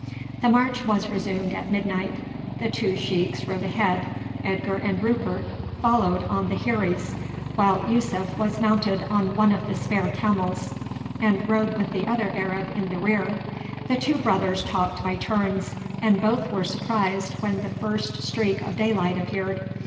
The march was resumed at midnight. The two sheiks rode ahead, Edgar and Rupert followed on the heiries, while Yussuf was mounted on one of the spare camels, and rode with the other Arab in the rear. The two brothers talked by turns, and both were surprised when the first streak of daylight appeared.